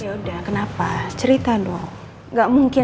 ya udah kenapa cerita dong gak mungkin